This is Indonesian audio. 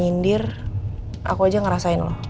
nyindir aku aja ngerasain loh